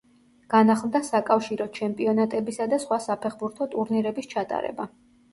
განახლდა საკავშირო ჩემპიონატებისა და სხვა საფეხბურთო ტურნირების ჩატარება.